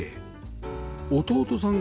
弟さん